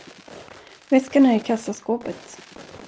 Väskan är i kassaskåpet.